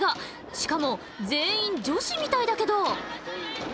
しかも全員女子みたいだけど。